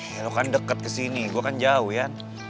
ya lo kan deket kesini gue kan jauh ya